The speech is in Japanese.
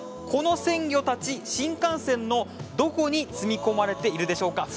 この鮮魚たち、新幹線のどこに積み込まれているでしょうか？